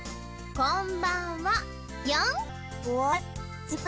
こんばんはよん。